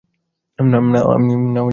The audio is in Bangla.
না, আমি এসব করিনি।